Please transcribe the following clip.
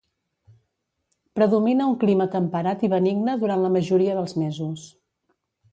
Predomina un clima temperat i benigne durant la majoria dels mesos.